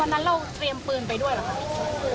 วันนั้นเราเตรียมปืนไปด้วยหรือครับ